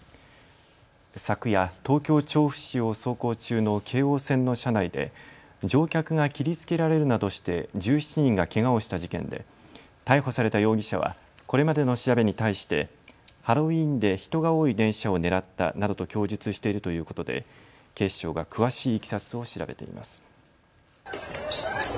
昨夜、東京調布市を走行中の京王線の車内で乗客が切りつけられるなどして１７人がけがをした事件で逮捕された容疑者は、これまでの調べに対してハロウィーンで人が多い電車を狙ったなどと供述しているということで警視庁が詳しいいきさつを調べています。